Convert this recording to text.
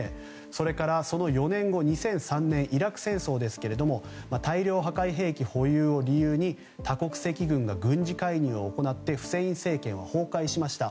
それからその４年後２００３年イラク戦争ですが大量破壊兵器保有を理由に多国籍軍が軍事介入を行ってフセイン政権は崩壊しました。